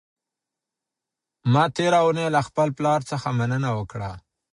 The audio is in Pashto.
ما تېره اونۍ له خپل پلار څخه مننه وکړه.